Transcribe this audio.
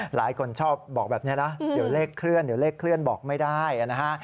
หลายคนชอบบอกแบบนี้นะเดี๋ยวเลขเคลื่อนเดี๋ยวเลขเคลื่อนบอกไม่ได้นะฮะ